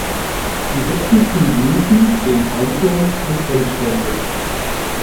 Die sitzenden Blüten stehen einzeln und endständig.